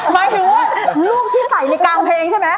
หมายถึงว่าลูกที่ใส่ในกลางเพลงใช่ไหม